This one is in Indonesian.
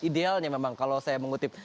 idealnya memang kalau saya mengutip